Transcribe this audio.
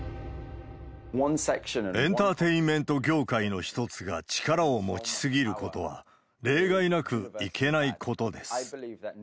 エンターテインメント業界の１つが力を持ち過ぎることは、例外なくいけないことです。